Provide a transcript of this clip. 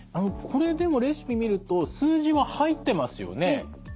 これでもレシピ見ると数字は入ってますよね。